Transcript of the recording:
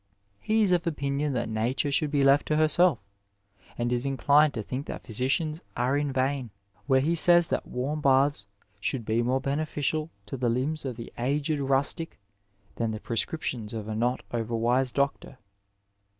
He is of opinion that nature should be left to herself, and is inclined to think that physicians are in vain (cp. Lawz^ VI. 761 C, where he sajrs that warm baths would be more beneficial to the limbs of the aged rustic than the prescriptions of a not overwise doctor).